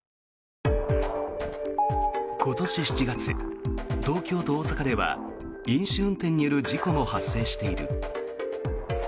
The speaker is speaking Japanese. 今年７月、東京と大阪では飲酒運転による事故も発生している。